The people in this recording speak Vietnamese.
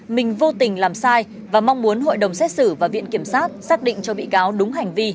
mình vô tình làm sai và mong muốn hội đồng xét xử và viện kiểm sát xác định cho bị cáo đúng hành vi